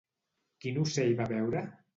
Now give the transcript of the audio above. Quin ocell va veure?